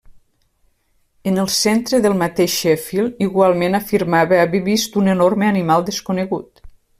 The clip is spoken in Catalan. En el centre del mateix Sheffield igualment afirmava haver vist un enorme animal desconegut.